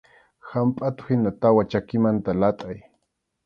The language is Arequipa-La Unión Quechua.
Hampʼatuhina tawa chakimanta latʼay.